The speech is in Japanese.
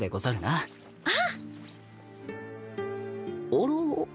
おろ。